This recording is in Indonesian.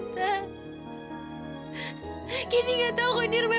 tapi papa gak boleh tahu